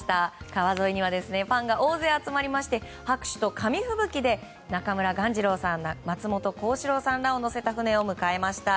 川沿いにはファンが大勢集まりまして拍手と紙吹雪で中村鴈治郎さん松本幸四郎さんらを乗せた船を迎えました。